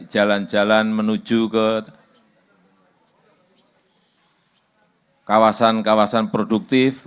jalan jalan menuju ke kawasan kawasan produktif